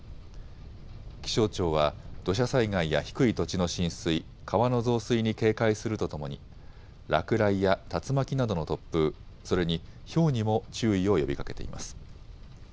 気象庁は土砂災害や低い土地の浸水、川の増水に警戒するとともに落雷や竜巻などの突風、それにひょうにも注意を呼びかけています。